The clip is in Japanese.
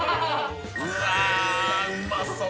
うわうまそう